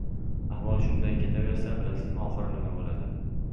— Ahvol shunday ketaversa, bilasizmi, oxiri nima bo‘ladi?